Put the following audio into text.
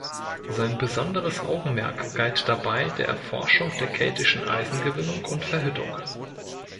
Sein besonderes Augenmerk galt dabei der Erforschung der keltischen Eisengewinnung und Verhüttung.